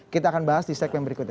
kita akan bahas di segmen berikutnya